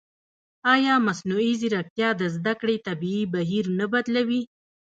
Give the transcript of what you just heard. ایا مصنوعي ځیرکتیا د زده کړې طبیعي بهیر نه بدلوي؟